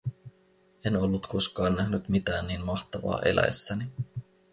En ollut koskaan nähnyt mitään niin mahtavaa eläessäni.